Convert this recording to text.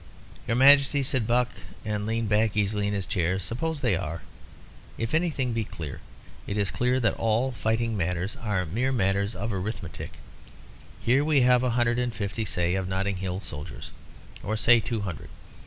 "Your Majesty," said Buck, and leaned back easily in his chair, "suppose they are. If anything be clear, it is clear that all fighting matters are mere matters of arithmetic. Here we have a hundred and fifty, say, of Notting Hill soldiers. Or say two hundred.